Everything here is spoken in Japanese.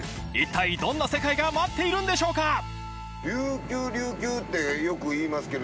一体どんな世界が待っているんでしょうか？